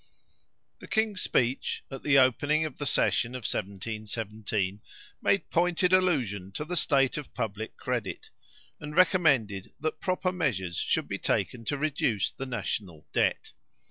The king's speech, at the opening of the session of 1717, made pointed allusion to the state of public credit, and recommended that proper measures should be taken to reduce the national debt.